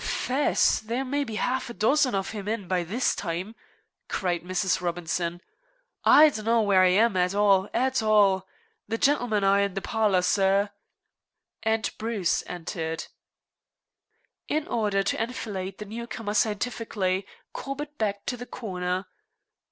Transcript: "Faix, there may be a half a dozen of him in by this time," cried Mrs. Robinson. "I dunno where I am, at all, at all. The gintlemen are in the parlor, sir." And Bruce entered. In order to enfilade the new comer scientifically, Corbett backed to the corner.